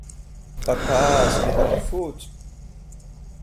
Papa, ce n’est pas ma faute.